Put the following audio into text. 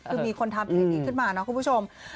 คือมีคนทำเพลงนี้ขึ้นมานะคุณผู้ชม